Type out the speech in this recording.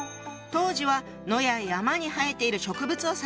当時は野や山に生えている植物を指していたの。